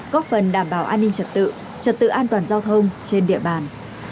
góp phần đảm bảo an ninh trật tự trật tự an toàn giao thông trên địa bàn